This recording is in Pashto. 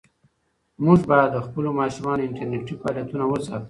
موږ باید د خپلو ماشومانو انټرنيټي فعالیتونه وڅارو.